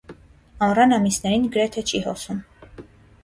Ամռան ամիսներին գրեթե չի հոսում։